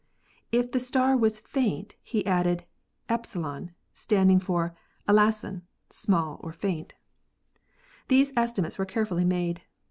If the star was faint, he added e (Epsilon), standing for eXaacroov (Elasson), small or faint. These estimates were carefully made.